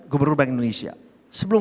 gubernur bank indonesia sebelum